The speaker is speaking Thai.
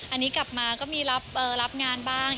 อันนี้กลับมาก็มีรับงานบ้าง